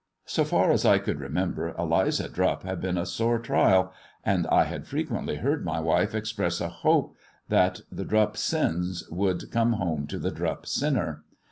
So tar I could remember Eli^a Drupp had been a sore trial, and .] had frequently heard my wife express a hope that Drupp sins would come home to the Drupp sinner.